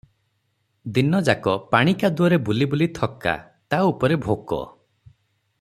ଦିନ ଯାକ ପାଣି କାଦୁଅରେ ବୁଲିବୁଲି ଥକା, ତା' ଉପରେ ଭୋକ!